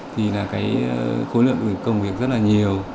thì là khối lượng công việc rất là nhiều